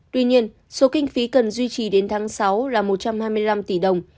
tuy nhiên số kinh phí cần duy trì đến tháng sáu là một trăm hai mươi năm tỷ đồng